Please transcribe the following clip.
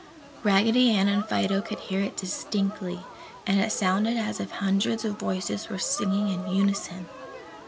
Raggedy Ann and Fido could hear it distinctly and it sounded as if hundreds of voices were singing in unison.